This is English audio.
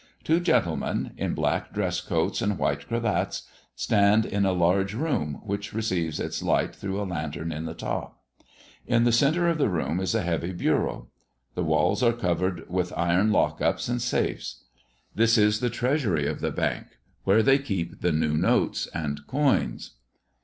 Two gentlemen, in black dress coats and white cravats, stand in a large room, which receives its light through a lantern in the top. In the centre of the room is a heavy bureau. The walls are covered with iron lock ups and safes. This is the Treasury of the Bank, where they keep the new notes and coins.